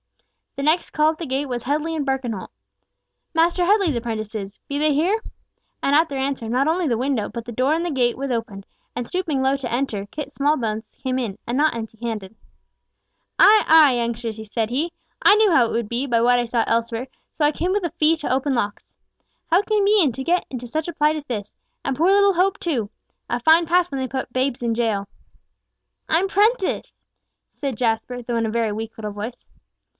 The next call at the gate was Headley and Birkenholt—"Master Headley's prentices—Be they here?" And at their answer, not only the window, but the door in the gate was opened, and stooping low to enter, Kit Smallbones came in, and not empty handed. "Ay, ay, youngsters," said he, "I knew how it would be, by what I saw elsewhere, so I came with a fee to open locks. How came ye to get into such plight as this? And poor little Hope too! A fine pass when they put babes in jail." "I'm prenticed!" said Jasper, though in a very weak little voice.